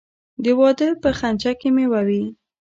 د واده په خنچه کې میوه وي.